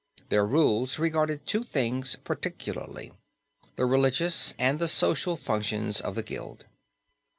Their rules regard two things particularly the religious and the social functions of the guild.